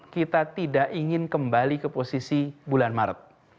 kita tidak ingin kembali ke posisi bulan maret